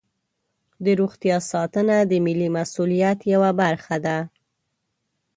د روغتیا ساتنه د ملي مسؤلیت یوه برخه ده.